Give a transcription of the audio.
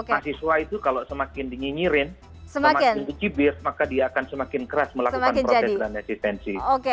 mahasiswa itu kalau semakin dinyinyirin semakin kecibir maka dia akan semakin keras melakukan proses dan resistensi